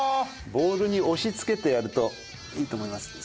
ボウルに押しつけてやるといいと思います。